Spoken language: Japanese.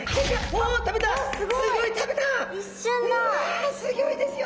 わあすギョいですよ。